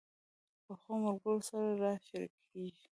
پخو ملګرو سره راز شریکېږي